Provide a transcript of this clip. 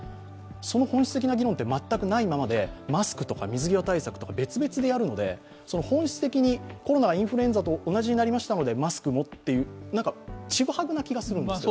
その本質的な議論は全くないままで、マスクとか水際対策とか別々にやるので本質的にコロナがインフルエンザと同じになりましたのでマスクもという、何かちぐはぐな気がします。